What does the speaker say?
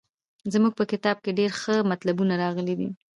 زموږ په کتاب کې ډېر ښه مطلبونه راغلي دي.